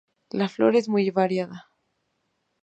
La flora es muy variada.